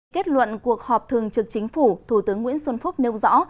kết luận cuộc họp thường trực chính phủ thủ tướng nguyễn xuân phúc nêu rõ